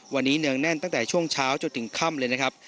วันนี้เนืองแน่นตั้งแต่ช่วงเช้าจนถึงค่ำเลยนะครับ